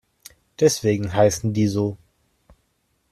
Deswegen heißen die so.